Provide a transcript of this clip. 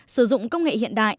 sử dụng công nghệ hiện đại